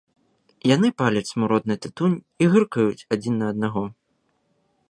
Яны паляць смуродны тытунь і гыркаюць адзін на аднаго.